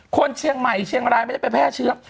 คนเชียงใหม่เชียงรายไม่ได้ไปแพร่เชื้อ